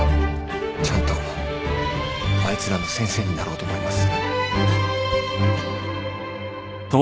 ちゃんとあいつらの先生になろうと思います。